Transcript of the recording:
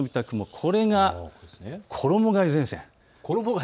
これが衣がえ前線。